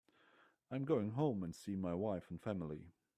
I'm going home and see my wife and family.